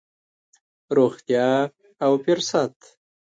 روغتيا او فرصت.